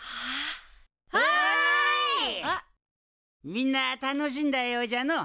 みんな楽しんだようじゃのう。